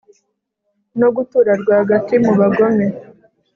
no gutura rwagati mu bagome